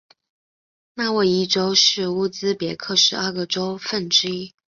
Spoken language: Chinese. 纳沃伊州是乌兹别克十二个州份之一。